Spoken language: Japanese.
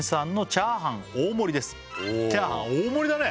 チャーハン大盛りだね！